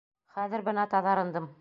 Хәҙер бына таҙарындым.